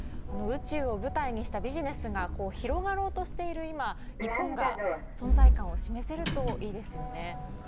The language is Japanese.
宇宙を舞台にしたビジネスが広がろうとしている今日本が存在感を示せるといいですよね。